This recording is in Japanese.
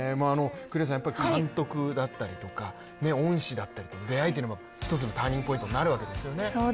監督だったりとか、恩師だったりとの出会いというのは一つのターニングポイントになるわけですよね。